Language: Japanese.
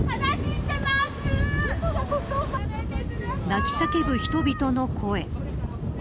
泣き叫ぶ人々の声。